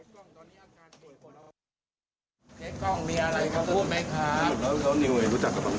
เจ๊กล่องมีอะไรเขาพูดไหมครับ